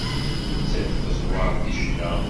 Nettat teẓwer deg ccna.